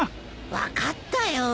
分かったよ。